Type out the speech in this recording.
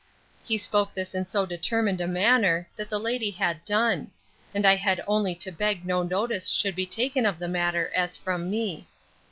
He spoke this in so determined a manner, that the lady had done; and I had only to beg no notice should be taken of the matter as from me.